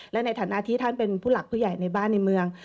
และในฐานะที่ท่านเป็นผู้หลักผู้ใหญ่ในบ้านในเมือง